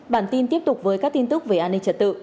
bản tin tiếp tục với các tin tức về an ninh trật tự